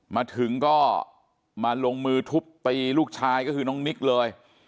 มาถึงก็มาลงมือทุบตีลูกชายก็คือน้องนิกเลย